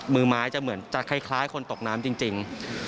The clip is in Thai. มือไม้จะเหมือนจะคล้ายคนตกน้ำจริง